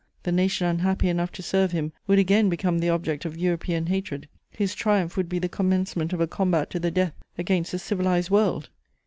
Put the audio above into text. The nation unhappy enough to serve him would again become the object of European hatred; his triumph would be the commencement of a combat to the death against the civilized world....